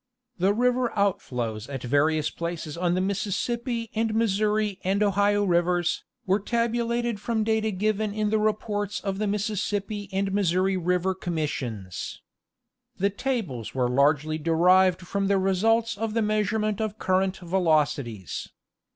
The river out 56 National Geographic Magazine. flows at various places on the Mississippi and Missouri and Ohio rivers, were tabulated from data given in the reports of the Mississippi and Missouri River Commissions. The tables were largely derived from the results of the measurement of current velocities.